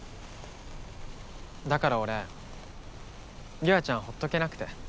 だから俺優愛ちゃんほっとけなくて。